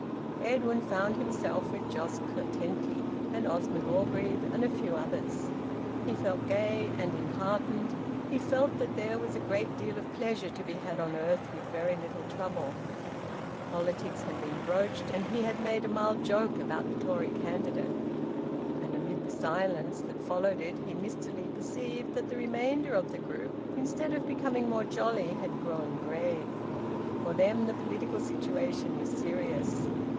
Edwin found himself with Jos Curtenty and Osmond Orgreave and a few others. He felt gay and enheartened; he felt that there was a great deal of pleasure to be had on earth with very little trouble. Politics had been broached, and he made a mild joke about the Tory candidate. And amid the silence that followed it he mistily perceived that the remainder of the group, instead of becoming more jolly, had grown grave. For them the political situation was serious.